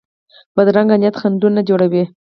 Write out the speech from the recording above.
بدرنګه نیت خنډونه جوړوي